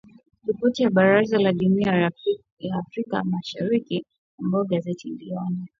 Ripoti ya Baraza la jumuia ya Afrika Mashariki ambayo gazeti iliiona